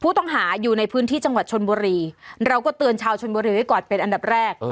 ผู้ต้องหาอยู่ในพื้นที่จังหวัดชนบุรีเราก็เตือนชาวชนบุรีไว้ก่อนเป็นอันดับแรก